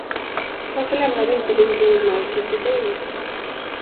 Varför lämnade inte din bror marken till dig?